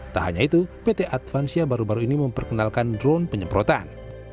tak hanya itu pt advansia baru baru ini memperkenalkan drone penyemprotan